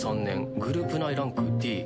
グループ内ランクＤ。